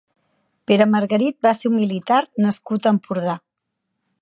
Pere Margarit va ser un militar nascut a Empordà.